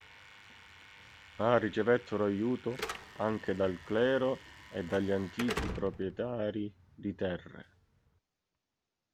Ma ricevettero aiuto anche dal clero e dagli antichi proprietari di terre.